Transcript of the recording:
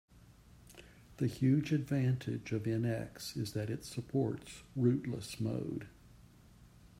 The huge advantage of NX is that it supports "rootless" mode.